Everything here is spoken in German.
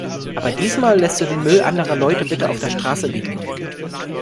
Aber diesmal lässt du den Müll anderer Leute bitte auf der Straße liegen.